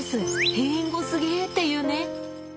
閉園後すげえっていうね。